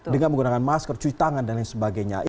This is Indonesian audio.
dengan menggunakan masker cuci tangan dan lain sebagainya